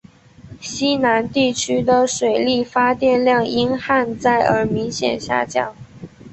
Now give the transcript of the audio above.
西南地区的水力发电量因旱灾而明显下降。